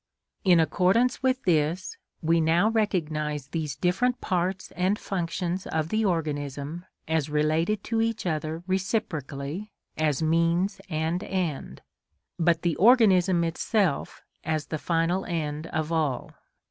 In accordance with this, we now recognise these different parts and functions of the organism as related to each other reciprocally as means and end, but the organism itself as the final end of all.